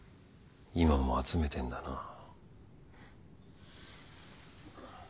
今も集めてんだな